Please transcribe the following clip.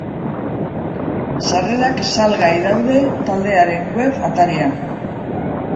Sarrerak salgai daude taldearen web atarian.